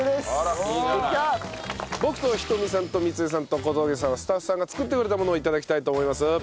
僕と仁美さんと光恵さんと小峠さんはスタッフさんが作ってくれたものを頂きたいと思います。